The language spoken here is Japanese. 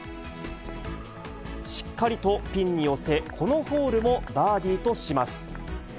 しっかりとピンに寄せ、このホールもバーディーとします。